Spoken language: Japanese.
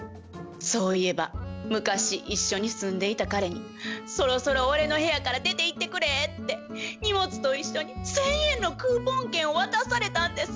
そういえば昔一緒に住んでいた彼に「そろそろ俺の部屋から出ていってくれ」って荷物と一緒に１，０００円のクーポン券を渡されたんです。